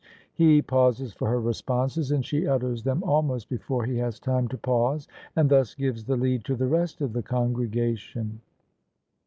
He pauses for her responses, and she utters them almost before he has time to pause, and thus gives the lead to the rest of the congregation.